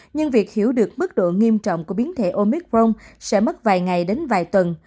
nhưng việc hiểu được mức độ nghiêm trọng của biến thể omicron sẽ mất vài ngày đến vài tuần